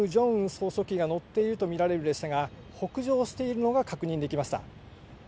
総書記が乗っていると見られる列車が、北上しているのが確認できました。